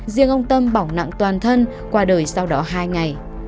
riêng ông tâm bỏng nặng toàn thân qua đời sau đó hai ngày